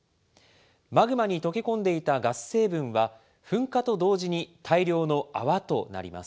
マグマに溶け込んでいたガス成分は、噴火と同時に大量の泡となります。